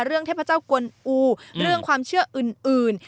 เรื่องเทพเจ้ากลอู๋เรื่องความเชื่ออื่น